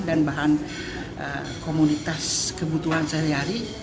dan bahan komunitas kebutuhan sehari hari